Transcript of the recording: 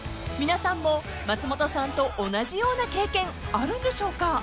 ［皆さんも松本さんと同じような経験あるんでしょうか？］